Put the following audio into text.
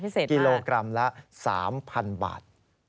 พิเศษ๕กิโลกรัมละ๓๐๐๐บาท